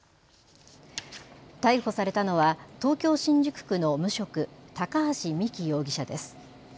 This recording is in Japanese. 逮捕されたのは東京新宿区の無職、高橋実希容疑者です。